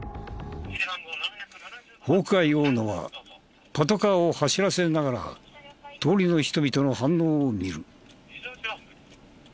ホークアイ大野はパトカーを走らせながら通りの人々の反応を見る。